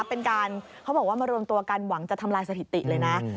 เป็นการเขาบอกว่ามารวมตัวกันหวังจะทำลายสถิติเลยนะ